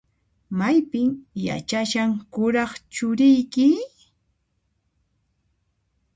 Maypin yachashan kuraq churiyki?